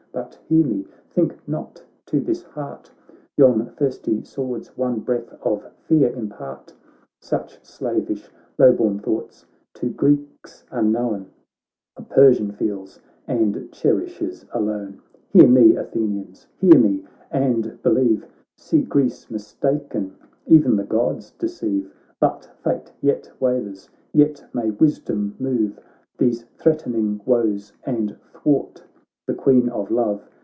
but hear me ; think not to this heart Yon thirsty swords one breath of fear impart ! Such slavish, low born thoughts, to Greeks unknown, A Persian feels, and cherishes alone ! Hear me, Athenians ! hear me, and believe, See Greece mistaken ! e'en the Gods deceive. But fate yet wavers — ^yet may wisdom move These threatening woes and thwart the Queen of Love.